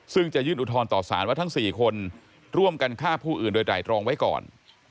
ซึ่งจะยื่นอุทธรณ์ต่อสารว่าทั้ง๔คนร่วมกันฆ่าผู้อื่นโดยไตรรองไว้ก่อน